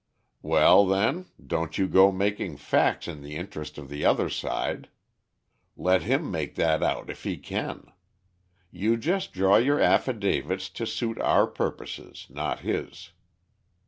"Well, then, don't you go to making facts in the interest of the other side. Let him make that out if he can. You just draw your affidavits to suit our purposes, not his.